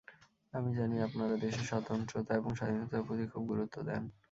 আমি জানি আপনারা দেশের স্বতন্ত্রতা এবং স্বাধীনতার প্রতি খুব গুরুত্ব দেন।